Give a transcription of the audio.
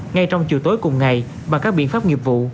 ngay trong chiều tối cùng ngày bằng các biện pháp nghiệp vụ